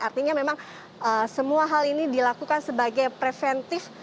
artinya memang semua hal ini dilakukan sebagai preventif